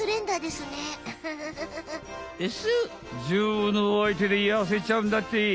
女王のおあいてでやせちゃうんだって。